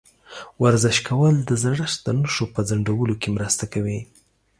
ورزش کول د زړښت د نښو په ځنډولو کې مرسته کوي.